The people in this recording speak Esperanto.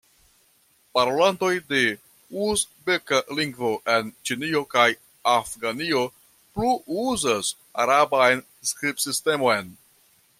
Parolantoj de uzbeka lingvo en Ĉinio kaj Afganio plu uzas araban skribsistemon.